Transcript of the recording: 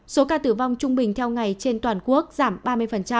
số ca tử vong trung bình theo ngày trên toàn quốc giảm ba mươi